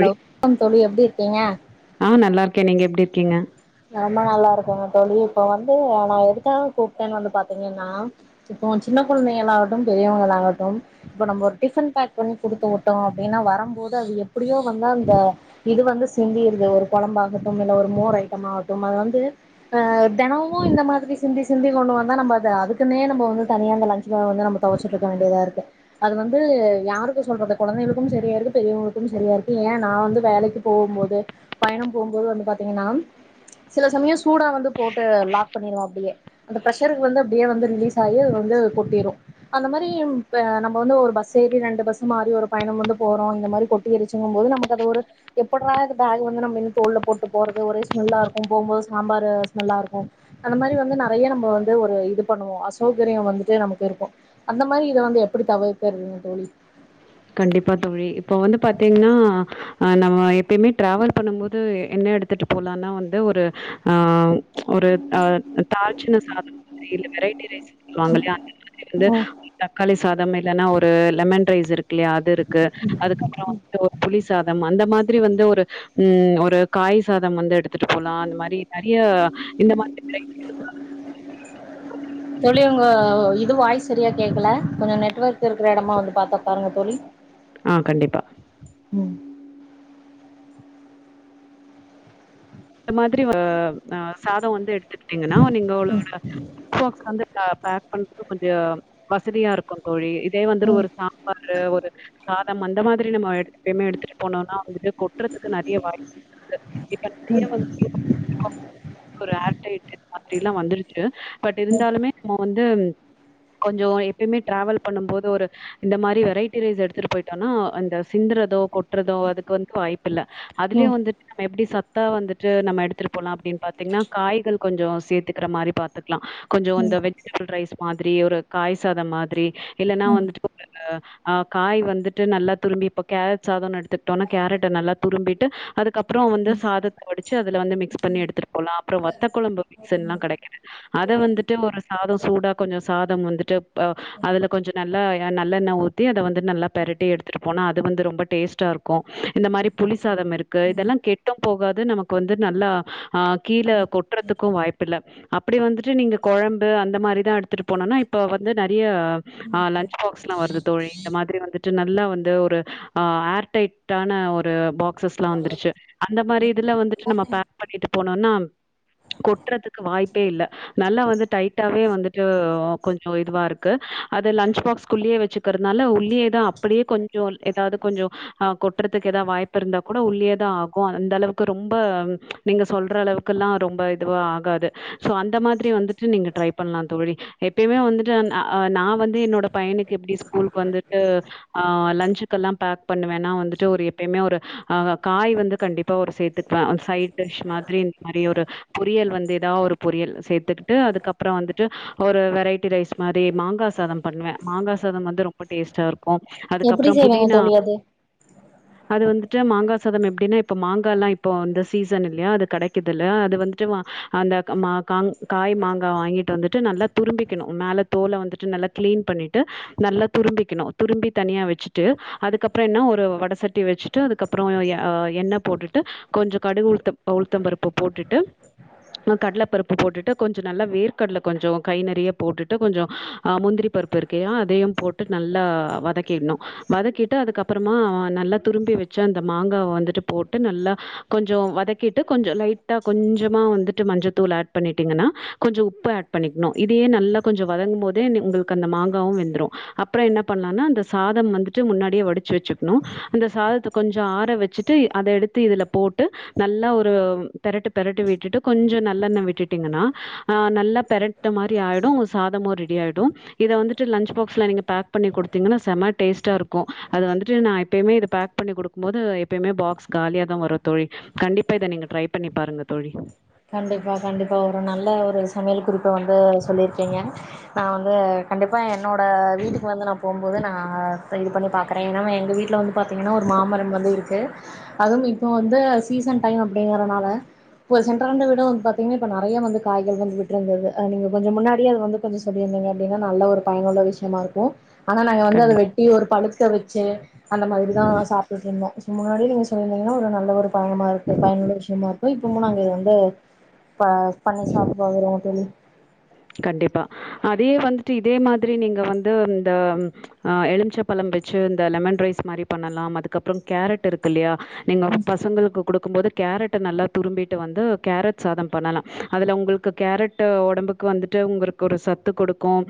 Low [inaudible] தோழி எப்டி இருக்கீங்க? ஆ நல்லா இருக்கே நீங்க எப்டி இருக்கீங்க? ரொம்ப நல்லா இருக்கங்க தோழி இப்ப வந்து நா எதுக்காக கூப் டன் வந்து பாத்தீங்கன்னா இப்போ சின்ன குழந்தைகளாகட்டும் பெரியவங்களாக ட்டும் இப்ப நம்ப ஒரு டிஃபன் பேக் பண்ணி குடுத்து உட்டோ அப்டினா வரம்போது அது எப் பிடியோ வந்து அந்த இது வந்து சிந்திருது ஒரு கொழம்பாகட்டும் இல்ல ஒரு மோர் ஐ ட்டம் ஆகட்டும் அது வந்து அ தெனமுமு இந்த மாதிரி சிந்தி சிந்தி கொண்டு வந்தா நம்ப அத அதுக்குனே நம்ப வந்து தனியா அந்த லன் பேக வந்து நம்ப தொவச்சிட்ருக்க வேண்டியதாருக்கு அது வந்து யாருக்கு சொல்றது கொழந்தைகளுக்கும் செரியாருக்கு பெரியவங்குளுக்கும் செரியாருக்கு ஏ நா வந்து வேலைக்கு போவும்போது பயணம் போம்போது வந்து பாத்திங்கன்னா சில சமயோ சூடா வந்து போட்டு லாக் பண்ணிருவே அப்டியே. அந்த ப்ரெஷருக்கு வந்து அப்டியே வந்து ரிலீஸ் ஆகி அது வந்து கொட்டிரு. அந்த மாரி இம்ப்ப நம்ப வந்து ஒரு பஸ் ஏறி ரெண்டு பஸ் மாறி ஒரு பயணம் வந்து போறோ இந்த மாரி கொட் டிருச்சுங்கும் போது நமக்கு அது ஒரு எப்பட்றா இது பேகு வந்து நம்ம இன் தோள்ல போட்டு போறது ஒரே ஸ் மெல்லாருக்கு போம்போது சாம்பாரு ஸ்மெல்லா இருக்கு. அந்த மாரி வந்து நறைய நம்ப வந்து ஒரு இது பண்ணுவோ அசௌகரியோ வந்துட்டு நமக்கு இருக்கு. அந்த மாரி இத வந்து எப்பிடி தவிர்க்கறதுங் தோழி? கண்டிப்பா தோழி இப்ப வந்து பாத்தீங்ன்னா அ நம்ம எப்பிமே டிராவல் பண்ணம் போது என்ன எடுத்துட்டு போலானா வந்து ஒரு ஆ ஒரு ஆ தாள்ச்சின்ன சாதம் மாதிரி இல்ல வெரைட்டி ரைஸ் [inaudible] இல்யா அந்தமாதிரி வந்து ம் தக்காளி சாதம் இல்லன்னா ஒரு லெமன் ரைஸ் இருக் கில்லியா அது இருக்கு அதுக்கப்புறோ வந்துட்டு ஒரு புளி சாதம் அந்த மாதிரி வந்து ஒரு ம் ஒரு காய் சாதம் வந்து எடுத்துட்டு போலா அந்த மாரி நறிய இந்த [inaudible] [inaudible] தோழி உங்க இது வாய்ஸ் செரியா கேக்கல கொஞ்சோ நெட்வொர்க் நெட்டு இருக்கிற இடமா வந்து பார்த்து பாருங்க தோழி ஆ கண்டிப்பா ம் இந்த மாதிரி ஒரு ஆ சாதம் வந்து எடுத்துக்கிட்டீங்கனா நீங்களோட ஃபோக் அந்த பேக் பண்றது கொஞ்சோ வசதியா இருக்கு தோழி இதே வந்துட்டு ம் ஒரு சாம் பாரு ஒரு சாதம் அந்த மாதிரி நம்ம எடு எப்புமே எடுத்துட்டு போனோனா வந்துட்டு கொட்டுறதுக்கு நறைய வாய்ப்பு இருக்கு இப்ப ம் நெறைய வந்து ஒரு ஆர் டைட் மாதிரிலா வந்துருச்சு பட் இருந்தாலுமே நம்ம வந்து து கொஞ்சோ எப்பியுமே ட்ராவல் பண்ணும் போது ஒரு இந்த மாரி வெரைட்டி ரைஸ் எடுத்துட்டு போயிட்டோனா அந்த சிந்துறதோ கொட்றதோ அதுக்கு வந்து வாய்ப்பு இல்ல அதுலயு ம் வந்துட்டு நம்ம எப்டி ச த்தா வந்துட்டு நம்ம எடுத்துட்டு போலா அப்டின்னு பாத்தீங்னா காய்கள் கொஞ்சோ சேர்த்துக்கிற மாரி பாத்துக்லா கொஞ்சோ ம் இந்த வெஜிடபிள் ரைஸ் மாதிரி ஒரு காய் சாதம் மாதிரி இல்லன்னா ம் வந்துட்டு ஒரு ஆ காய் வந்துட்டு நல்லா துருவி இப்ப கேரட் சாதோன் எடுத்துக்கிட்டோனா கேரட்ட நல்லா துருவிட்டு அதுக்கப்றோ ம் சாதத்த வடிச்சி அதுல வந்து மிக்ஸ் பண்ணி எடுத்துட்டு போலா அப்றோ வத்த கொழம்பு மிக்ஸ் எல்லா கெடைக்குது அத வந்துட்டு ஒரு சாதம் சூடா கொஞ்ச சாதம் வந்துட்டு அ அதுல கொஞ்ச நல்லா நல்லெண்ண ஊத்தி அத வந்து நல்லா பெரட்டி எடுத்துட்டு போனா அது வந்து ரொம்ப டேஸ்ட் டா இருக்கு இந்த மாரி புளிசாதம் இருக்கு இதெல்லா கெட்டும் போகாது நமக்கு வந்து நல்லா ஆ கீழ கொட்றதுக்கு வாய்ப்பு இல்ல அப்டி வந்துட்டு நீங்க கொழம்பு அந்த மாதிரிதா எடுத்துட்டு போனோனா இப்ப வந்து நறைய அ ல ன்ச்சு பாக்ஸ்ள வருது தோழி இந்த மாதிரி வந்துட்டு நல்லா வந்து ஒரு ஏர் டைட்டான ஒரு பாக்ஸஸ் ல வந்துருச்சு அந்த மாதிரி இதுல வந்துட்டு நம்ம பேக் பண்ணிட்டு போனோனா கொட்றதுக்கு வாய்ப்பே இல்ல நல்லா வந்து டைட்டாவே வந்துட்டு கொஞ்ச இதுவா இருக்கு அது லன்ச் பாக்ஸ் குள்ளயே வச்சு இருக்கிறதுனால உள்ளியேதா அப்டியே கொஞ்சோ ஏதாவது கொஞ்சோ ஆ கொட்றதுக்கு ஏதோ வாய்ப்பு இருந்தா கூட உள்ளேதா ஆகு அந்த அளவுக்கு ரொம்ப நீங்க சொல்ற அளவுக்கெல்லா ரொம்ப இதுவு ஆகாது சோ அந்த மாதிரி வந் துட்டு நீங்க ட்ரை பண்லா தோழி எப்பயுமே வந்துட்டு நா வந்து என்னோட பையனுக்கு எப்டி ஸ்கூல்கு வந்து அ லஞ்ச்கெல்லா பேக் பண்ணுவேன்னா வந்துட்டு ஒரு எப்பயுமே ஒரு காய் வந்து கண்டிப்பா ஒரு சேர்த்துப்ப ஒரு சைட் டிஷ் மாதிரி இந்த மாதிரி ஒரு பொரியல் வந்து ஏதாவது ஒரு பொரியல் சேர்த்துக்கிட்டு அதுக்கப்றோ வந்துட்டு ஒரு வெரைட்டி ரைஸ் மாரி மாங்கா சாதம் பண்ணுவ மாங்கா சாதம் வந்து ரொம்ப டேஸ்ட்டா இருக்கு எப்டி அதுக்கப்றோ செய்வீங்க புதினா தோழி அது அது வந்துட்டு மாங்கா சாதம் எப்டின்னா இப்போ மாங்காலா இப்போ இந்த சீசன் இல்லயா அது கெடைக்குதுல அது வந்துட்டு வா அந்த மா காங் காய் மாங்கா வாங்கிட்டு வந்துட்டு நல்லா துருவிக்கணு மேல தோள வந்துட்டு நல்லா கிளீன் பண்ணிட்டு நல்லா துருவிக்கணு துருவி தனியா வச்சுட்டு அதுக்கப்றோ என்ன ஒரு வட சட்டி வச்சு ட்டு அதுக்கப்றோ எண்ணெ போட்டுட்டு கொஞ்சோ கடுகு உளு உளுத்தம்பருப்பு போட்டுட்டு அ கடலப்பருப்பு போட்டுட்டு கொஞ்ச நல்லா வேர்க்கடல கொஞ்சோ கை நெறிய போட்டுட்டு கொஞ்சோ ஆ முந்திரி பருப்பு இருக்குல்லயா அதையு போட்டு நல்லா வதக்கிடணு் வதக்கிட்டு அதுகப் அப்பறமா நல்லா துருவி வச்சு அந்த மாங்காவ வந்துட்டு போட்டு நல்லா கொஞ்ச வதக்கிட்டு கொஞ்சோ லைட்டா கொஞ்சமா வந்துட்டு மஞ்சத்தூள் ஆட் பண்ணிட்டீங்கனா கொஞ்ச உப்பு ஆட் பண்ணிக்கணு இதையே நல்லா கொஞ்ச வதங்கும் போதே உங்களுக்கு அந்த மாங்காவு வெந்துரு அப்பற என்ன பண்லானா அந்த சாதம் வந்துட்டு முன்னாடியே வடிச்சு வச்சுக்கணு அந்த சாதத்த கொஞ்ச ஆற வச்சுட் டு அத எடுத்து இதுல போட்டு நல்லா ஒரு பெரட்டு பெரட்டி விட்டுட்டு கொஞ்ச நல்லெண்ணெ விட்டுட்டீங்கனா ஆ நல்லா பெரட்ட மாரி ஆய்டும் அவுங்க சாதமும் ரெடி ஆய்டும் இத வந்துட்டு லஞ்ச் பாக்ஸ்ல நீங்க பேக் பண்ணி குடுத்தீங்கன்னா செம டேஸ்ட்டா இருக்கும் அது வந்துட்டு நான் எப்பயுமே இது பேக் பண்ணி கொடுக்கும் போது எப்பயுமே பாக்ஸ் காலியா தான் வரும் தோழி கண்டிப்பா இத நீங்க ட்ரை பண்ணி பாருங்க தோழி கண்டிப்பா கண்டிப்பா ஒரு நல்ல ஒரு சமையல் குறிப்ப வந்து சொல்லியிருக்கீங்க நான் வந்து கண்டிப்பா என்னோடய வீட்டுக்கு வந்து நான் போகும்போது நான் இது பண்ணி பாக்குறேன் ஏன்னா எங்க வீட்ல வந்து பாத்திங்கன்னா ஒரு மாமரம் வந்து இருக்கு அதும் இப்போ வந்து சீசன் டைம் அப்டிங்கறனால பேசன் பரண்டை விட வந்து பாத்தீங்கன்னா இப்ப நறைய வந்து காய்கள் வந்து விட்டுருந்தது நீங்க கொஞ்சோ முன்னாடி அது வந்து கொஞ்சோ சொல்லியிருந்தீங்க அப்டின்னா நல்ல ஒரு பயனுள்ள விசயமா இருக்கும் ஆனா நாங்க வந்து அதை கண்டிப் வெட்டி ஒரு பழுக்க வச்சு அந்த மாதிரிதான் சாப்பிட்டுட்டு இருந்தோம் முன்னாடியே நீங்க சொல்லிருந்தீங்கன்னா ஒரு நல்ல ஒரு பயணமா இருக்கு பயனுள்ள விசயமா இருக்கும் இப்பமு நாங்க வந்து ப பண்ணி சாப்ட்டு இருக்கற தோழி கண்டிப்பா அதே வந்துட்டு இதே மாதிரி நீங்க வந்து இந்த ஆ எலுமிச்ச பழம் வச்சு இந்த லெமன் ரைஸ் மாரி பண்ணலாம் அதுக்கப்பறம் கேரட் இருக்கு இல்லையா நீங்க பசங்களுக்கு குடுக்கும்போது கேரட்ட நல்லா துரும்பிட்டு வந்து கேரட் சாதம் பண்ணலா அதுல உங்களுக்கு கேரட்டு் உடம்புக் க்கு வந்துட்டு உங்களுக்கு ஒரு சத்து குடுக்கும்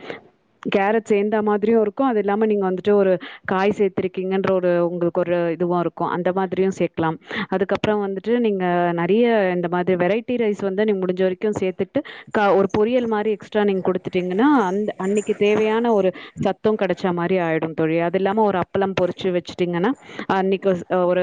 கேரட் சேந்த மாரியு இருக்கும் அது இல்லாம நீங்க வந்துட்டு ஒரு காய் சேர்த்திருக்கீங்கன்ற ஒரு உங்களுக்கு ஒரு இதுவா இருக்கு அந்த மாதிரியு சேக்கலாம் அதுக்கப் பறம் வந்துட்டு நீங்க நறைய இந்த மாரி வெரைட்டி ரைஸ் வந்து நீ முடிஞ்ச வரைக்கு சேத்துட்டு கா ஒரு பொரியல் மாரி எக்ஸ்ட்ரா நீங்க குடுத்துட்டிங்கனா அந்த அன்னிக்கு தேவையான ஒரு சத்தும் கிடைச்ச மாரி ஆய்டும் தோழி அது இல்லாம ஒரு அப்பளம் பொறிச்சு வச்சுட்டீங்கனா அன்னிக்கு சு ஒரு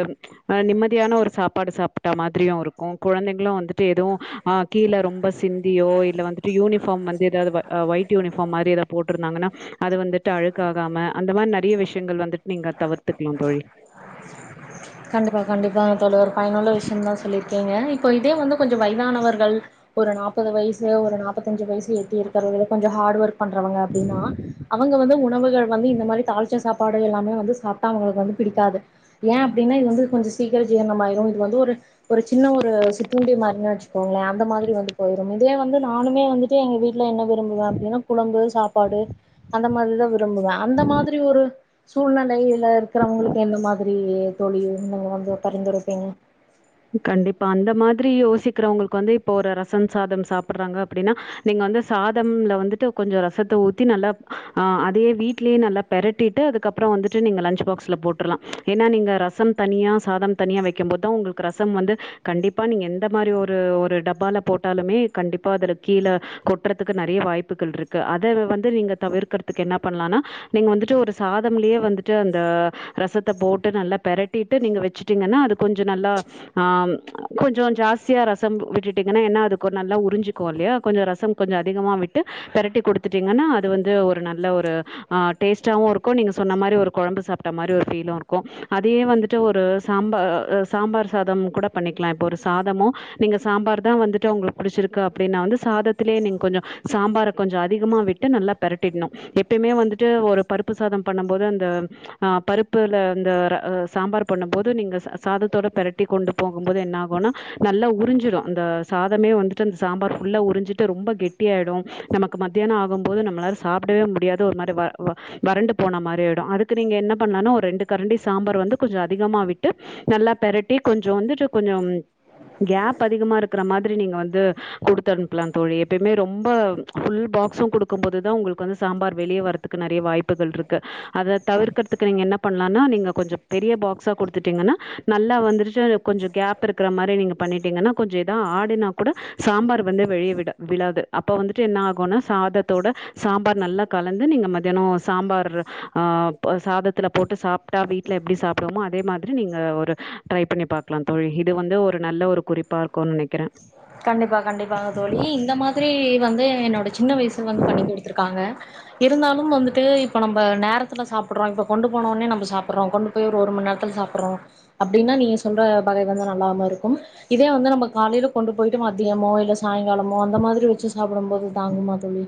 ஆ நிம்மதியான ஒரு சாப்பாடு சாப்டா மாதிரியு இருக்கும் கொழந்தைங்களும் வந்துட்டு எதுவும் ஆ கீழ ரொம்ப சிந்தியோ இல்ல வந்துட் டு யூனிபாம் வந்து எதாவது ஒயிட் யூனிபார்ம் மாரி எதா போட்டு இருந்தாங்கனா அது வந்துட்டு அழுக்காகாம அந்த மாரி நறைய விஷயங்கள் வந்துட்டு நீங்க தவிர்த்துக்கலாம் தோழி கண்டிப்பா கண்டிப்பா தோழி ஒரு பயனுள்ள விஷயம் தான் சொல்லியிருக்கீங்க இப்போ இதே வந்து கொஞ்சோ வயதானவர்கள் ஒரு நாப்பது வயசு ஒரு நாற்பத்தஞ்சு வயசு எத்தி இருக்கறவ கொஞ்சோ ஹார்டு ஒர்க் பண்றவங்க அப்டினா அவங்க வந்து உணவுகள் வந்து இந்த மாரி தாளிச்ச சாப்பாடு எல்லாமே வந்து சாப்டா அவங்களுக்கு வந்து பிடிக்காது ஏன் அப்டினா இது வந்து கொஞ்சோ சீக்கிர ஜீரணம் ஆய்ரும் இது வந்து ஒரு ஒரு சின்ன ஒரு சிற்றுண்டி மாரினா வச் சிக்கோங்கள அந்த மாரி வந்து போய்ரும் இதே வந்து நானுமே வந்து இதே எங்க வீட்ல என்ன விரும்புவேன் அப்டினா குழம்பு சாப்பாடு அந்த மாரிதான் விரும்புவேன் அந்த மாதிரி ஒரு சூழ்நிலையில இருக்குறவங்களுக்கு எந்த மாதிரி தோழி என்ன வந்து பரிந்துரைப்பிங்க கண்டிப்பா அந்த மாதிரி யோசிக்கிறவங்களுக்கு வந்து இப்போ ஒரு ரசம் சாதம் சாப்டுறாங்க அப்டின்னா நீங்க வந்து சாதம்ல வந்துட்டு கொஞ்சோ ரசத்த ஊத்தி நல்லா ஆ அதே வீட்லயே நல்லா பெரட்டிட்டு அதுக்கு அப்பறம் வந்துட்டு நீங்க லஞ்ச் பாக்ஸ்ல போட்டுறலாம் ஏனா நீங்க ரசம் தனியா சாதம் தனியா வைக்கம் போதான் உங்களுக் ரசம் வந்து கண்டிப்பாக நீங்க எந்த மாரி ஒரு ஒரு டப்பால போட்டாலுமே கண்டிப்பா அதுல கீழ கொட்றதுக்கு நறைய வாய்ப்புக்கள் இருக்கு அத வந்து நீங்க தவிர்க்குறதுக்கு என்ன பண்ணலானா நீங்க வந்துட்டு ஒரு சாதம்லயே வந்துட்டு அந்த ரசத்த போட்டு நல்லா பெரட்டிட்டு நீங்க வச்சிட்டீங்கன்னா அது கொஞ்சோ நல்லா ஆ கொஞ்சோ ஜாஸ்தியா ரசம் விட்டுட்டீங்கன்னா என்ன அதுக்கு ஒரு நல்லா உறிஞ்சு க்கோ இல்லையா கொஞ்சோ ரசம் கொஞ்சோ அதிகமா விட்டு பெரட்டி கொடுத்துட்டீங்கன்னா அது வந்து ஒரு நல்ல ஒரு ஆ டேஸ்டாவு இருக்கு நீங்க சொன்ன மாரி ஒரு கொழம்பு சாப்ட மாரி ஒரு பீலு இருக்கு அதே வந்துட்டு ஒரு சாம்பார் சாம்பார் சாதம் கூட பண்ணிக்கலாம் இப்போ ஒரு சாதமு நீங்க சாம்பார் தா வந்துட்டு உங்களுக்கு புடிச்சிருக்கு அப்டினா வந்து சாதத்திலே நீங்க கொஞ்ச சாம்பார கொஞ்ச அதிகமா விட் ட்டு நல்லா பெரட்டிட்ணு எப்பையுமே வந்துட்டு ஒரு பருப்பு சாத பண்ணம் போது அந்த ஆ பருப்புல அந்த வர அ சாம்பார் பண்ணம் போது நீங்க ச சாதத்தோட பெரட் ட்டி கொண்டு போகும்போது என்ன ஆகுனா நல்லா உறிஞ்சிரு அந்த சாதமே வந்துட்டு அந்த சாம்பார் ஃபுல்லா உறிஞ்சிட்டு ரொம்ப கெட்டியாயிடு நம்ம மத்தியான ஆகம்போது நம்மளால சாப்டவே முடியாத ஒரு மாரி வ வ வறண்டு போன மாரி ஆய்டு அதுக்கு நீங்க என்ன பண்ணனு ஒரு ரெண்டு கரண்டி சாம்பார் வந்து கொஞ்ச அதிகமா விட்டு நல்லா பெரட்டி கொஞ்ச வந்துட்டு கொஞ்சம் கேப் அதிகமா இருக்குற மாதிரி நீங்க வந்து குடுத்து அனுப்பலா தோழி எப்பயுமே ரொம்ப ஃபுல் பாக்ஸு குடுக்கும் போதுதா உங்களுக்கு வந்து சாம்பார் வெளிய வரத் துக்கு நெறைய வாய்ப்புகள் இருக்கு அத தவிர்க்கற்த்துக்கு நீங்க என்ன பண்லானா நீங்க கொஞ்ச பெரிய பாக்ஸா குடுத்துட்டீங்கனா நல்லா வந்துரு ட்டு கொஞ்ச கேப் இருக்குற மாரி நீங்க பண்ணிட்டீங்கனா கொஞ்ச எதா ஆடினா கூட சாம்பார் வந்து வெளிய விட விழாது அப்ப வந்துட்டு என்ன ஆகுனா சாதத்தோட சாம்பார் நல்லா கலந்து நீங்க மத்தியானோ சாம்பாரு ஆ அப்ப சாதத்துல போட்டு சாப் ப்ட்டா வீட்ல எப்டி சாப்டுவமோ அதே மாதிரி நீ ஒரு ட்ரை பண்ணிப் பாக்லா தோழி இது வந்து ஒரு நல்ல ஒரு குறிப்பா இருக்குன் நெனைக்கிறே கண்டிப்பா கண்டிப்பாங்க தோழி இந்த மாதிரி வந்து என்னோட சின்ன வயசுல வந்து பண்ணி குடுத்துருக்காங்க இருந்தாலும் வந்துட்டு இப்ப நம்ப நேர்த்துல சாப்புட்றோ இப்ப கொண்டு போனோனே நம்ம சாப்புட்றோ கொண்டு போயி ஒரு மண் நேரத்துல சாப்புட்றோ அப்டினா நீங்க சொல்ற பகை வந்து நல்லாம இருக்கும் இதே வந்து நம்ம காலைல கொண்டு போயிட்டு மத்யமோ இல்ல சாய்ங்காலமோ அந்த மாதிரி வெச்சு சாப்புடும் போது தாங்குமா தோழி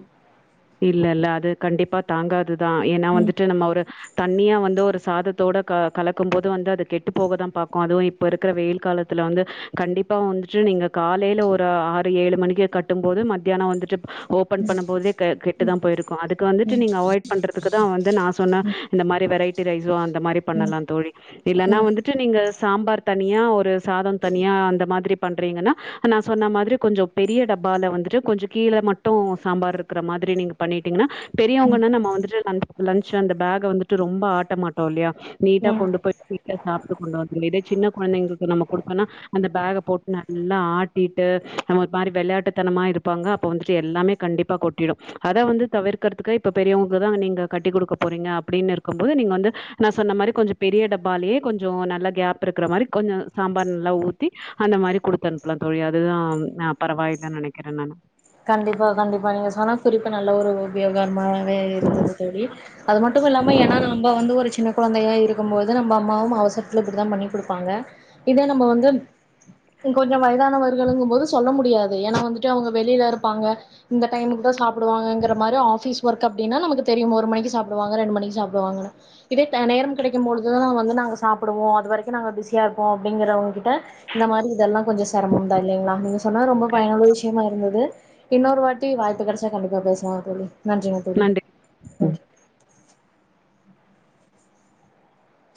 இல்ல இல்ல அது கண்டிப்பா தாங்காதுதா ஏனா ம் வந்துட்டு நம்ம ஒரு தண்ணியா வந்து ஒரு சாதத்தோட க கலக்கும் போது வந்து அது கெட்டு போக தா பாக்கும் அதுவு இப் இப்ப இருக்குற வெயில் காலத்துல வந்து கண்டிப்பா வந்துட்டு நீங்க காலைல ஒரு ஆறு ஏழு மணிக்கே கட் மும் போது மத்தியான வந்துட்டு ஓப்பன் பண்ணும் போதே கெட்டு தா போயிருக்கு அதுக்கு வந்துட்டு நீங்க அவாய்ட் பண்றதுக்கு தா வந்து நா சொன்ன ம் இந்த மாரி வெரைட்டி ரைஸோ அந்த மாரி ம் பண்ணலா தோழி இல்லனா ம் வந்து ட்டு நீங்க சாம்பார் தனியா ஒரு சாத தனியா அந்த மாதிரி பண்றீங்கனா நா சொன்ன மாதிரி கொஞ்ச பெரிய டப்பால வந்துட்டு கொஞ்ச கீழ மட்டு சாம்பார் இர் க்குற மாதிரி நீங்க பண்ணிட்டீங்கனா ம் பெரியவ்ங்கனா நம்ம வந்துட்டு அந் லஞ்ச் அந்த பேக்க வந்துட்டு ரொம்ப ஆட்ட மட்டோ இல்லையா நீட்டா ம் கொண்டு போய் நீட்டா சாப்ட்டு கொண்டு வந்து இதே சின்ன கொழந்தைங்களுக்கு நம்ம குடுத்தோனா அந்த பேக்க போட்டு நல்லா ஆட்டிட்டு அ ஒரு மாரி வெளையாட்டுத்தனமா இருப்பாங்க அப்ப வந்துட்டு எல்லாமே கண்டிப்பா கொட்டிரு அத வந்து தவிர்க்கிறதுக்கு இப்ப பெரியவ்ங்க தா நீங்க கட்டிக் குடுக்க போறீங்க அப்டின்னு இருக் இருக்கும் போது நீங்க வந்து நா சொன்ன மாரி கொஞ்ச பெரிய டப்பாலேயே கொஞ்ச நல்லா கேப் இருக்கிற மாரி கொஞ்ச சாம்பார் நல்லா ஊத்தி அந்த மாரி குடுத்து அனுப்பலா தோழி அதுதா நா பரவாயில்லன் நெனைக்கிறே நானு கண்டிப்பா கண்டிப்பா நீங்க சொன்ன குறிப்பு நல்ல ஒரு உபயோகமா வே இருந்தது தோழி அது மட்டுமில்லாம ஏனா நம்ப வந்து ஒரு சின்ன கொழந்தையா இருக்கும்போது நம்ம அம்மாவும் அவசரத்துல இப்டி தா பண்ணி் குடுப்பாங்க இதே நம்ப வந்து கொஞ்ச வயதானவர்களுங்கும் போது சொல்ல முடியாது ஏனா வந்துட்டு அவ்ங்க வெளில இருப்பாங்க இந்த டைமுக்குதா சாப்புடுவாங்கங்கிற மாறி ஆஃபீஸ் ஒர்க் அப்டினா நமக்கு தெரியும் ஒரு மணிக்கு சாப்டுவாங்க ரெண்டு மணிக்கு சாப்டுவாங்கனு இதே ட நேரம் கிடைக்கும்பொழுது தா நா வந்து நாங்க சாப்டுவோ அது வரைக்கு நாங்க பிஸியா இருப்போ அப்டிங்கிறவங்க கிட்ட இந்த மாதிரி இதெல்லா கொஞ்ச சிரமம்தா இல்லைங்ளா நீங்க சொன்னது ரொம்ப பயனுள்ள விஷ்யமா இருந்தது இன்னொரு வாட்டி வாய்ப்பு கெடச்சா கண்டிப்பா பேசலா தோழி நன்றிங்க தோழி நன்றி. ம். நன்றி